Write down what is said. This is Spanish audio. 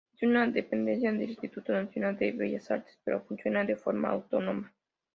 Es una dependencia del Instituto Nacional de Bellas Artes, pero funciona de forma autónoma.